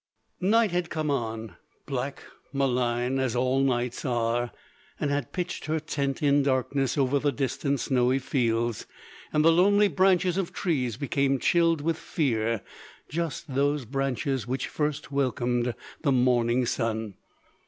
Night had come on, black, malign, as all nights are, and had pitched her tent in darkness over the distant snowy fields; and the lonely branches of trees became chilled with fear, just those branches which first welcomed the morning sun.